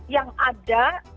yang ada di tamu